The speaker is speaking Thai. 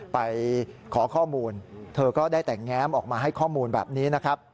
ไปขอข้อมูลเธอก็ได้แต่แง้มออกมาให้ข้อมูลแบบนี้นะครับ